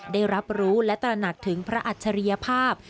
ได้รับรู้และตระหนักถึงพระอัจฉริยภาพ